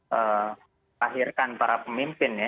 mengakhirkan para pemimpin ya